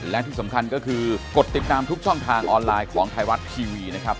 และที่สำคัญก็คือกดติดตามทุกช่องทางออนไลน์ของไทยรัฐทีวีนะครับ